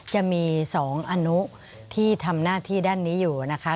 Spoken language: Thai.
จะมี๒อนุที่ทำหน้าที่ด้านนี้อยู่นะคะ